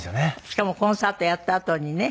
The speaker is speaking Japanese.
しかもコンサートやったあとにね。